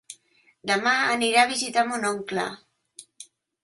Demà anirà a visitar mon oncle.